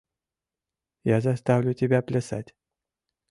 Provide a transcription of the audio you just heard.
Я заставлю тебя плясать!